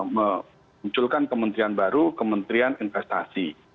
memunculkan kementerian baru kementerian investasi